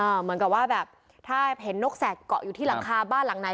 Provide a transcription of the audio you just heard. เหมือนกับว่าแบบถ้าเห็นนกแสกเกาะอยู่ที่หลังคาบ้านหลังไหน